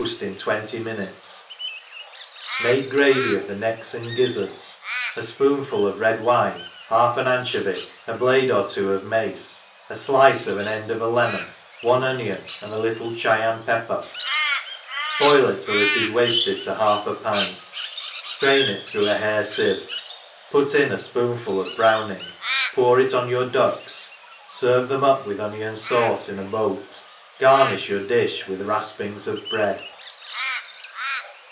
f^f roaft in twenty minutes, make gravy of the necks and gizzards, a fpoonful of red wine, half an anchovy, a blade or two of mace, aflicc of an end of a lemon, one onion, and a little Chyaa pepper, boil it till it is wafted to half a pint, ftrain it through a hair fieve, pgt in a fpoonful of browning, pour it on your ducks, fervc them up with onion fauce in a boat : garniih yottr difli with rafpings of bread.